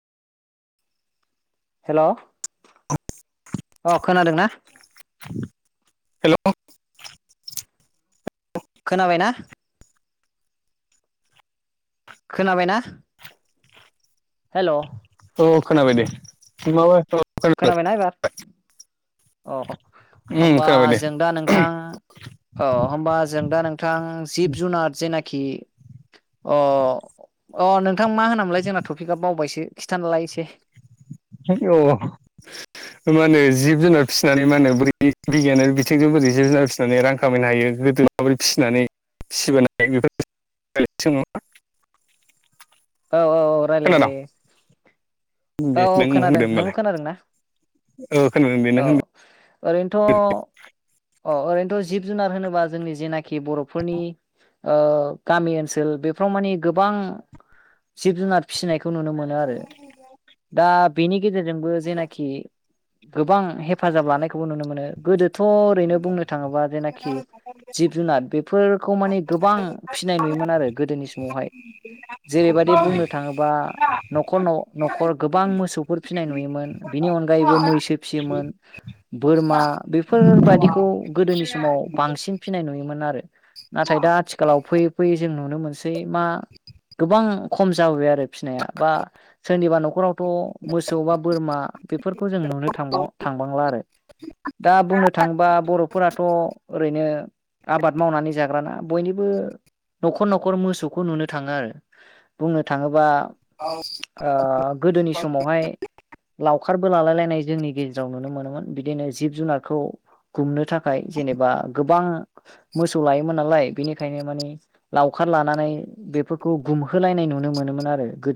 Hello अ खोनादों ना हेलौ खोनाबायना खोनाबायना हेलौ औ खोनाबाय दे न माबाय [unintelligible] खोनाबायना एबार अ होमबा खोनाबाय दे जों दा नोंथां औ होमबा जों दा नोंथां जिब जुनार जेनाखि अ' अ नोंथां मा होनामोनलाय जोंना थफिकआ बावबायसो खिथानलाय एसे औ [inaudible] होनबा नै जिब जुनार फिसिनानै मा होन बोरै बिगियानारि बिथिंजों बोरै जिब जुनार फिसिनानै रां खामायनो हायो। गोदो माबोरै फिसिनानै फिसिबोनाय बेफोरनि सोमोन्दै लायरायसै नङा औ औ औ रायलाय खोनादों जायो दे औ औ नों खोनादों होनदों नोंबो होमबालाय खोनादों ना औ खोनादों दे नों होन औ ओरैनोथ' अ ओरैनोथ' जिब जुनार होनोबा जोंनि जेनाखि बर'फोरनि गामि ओनसोल बेफ्राव मानिे गोबां जिब जुनार फिसिनायखौ खौ नुनो मोनो आरो दा बेनि गेजेरजोंबो जेनाखि गोबां हेफाजाब लानायखौबो नुनो मोनो गोदो थ' ओरैनो बुंनो थांङोब्ला जेनाखि जिब जुनार बेफोरखौ मानिे गोबां फिसिनाय नुयोमोन आरो गोदोनि समावहाय जेरैबायदि बुंनो थांङोबा न'खर न'खर गोबां मोसौफोर फिनाय नुयोमोन बिनि अनगायै बो मैसो फियोमोन बोरमा बादिखौ गोदोनि समाव बांसिन फिसिनाय नुयोमोन आरो नाथाय दा आथिखालाव फैयै फैयै जों नुनो मोनसै मा गोबां खम जाबोबाय आरो फिसिनाया बा सोरनिबा नखर दाथ' मोसौ बा बोरमा बेफोरखौ जों नुनो थांवा थांबांला आरो दा बुंनो थांङोबा बर'फोराथ' ओरैनो आबाद मावनानै जाग्राना बयनिबो न'खर न'खर मोसौखौ नुनो थांङो आरो बुंनो थांङोबा ओ गोदोनि समावहाय लावखार बो लालाय लायनाय जोंनि गेजेराव नुनो मोनोमोन बिदिनो जिब जुनारखौ गुमनो थाखाय जेनेबा गोबां मोसौ लायोमोन नालाय बेनिखायनो मानिे लावखार लानानै बेफोर खौ गुमहोलायनाय नुनो मोनोमोन आरो गो-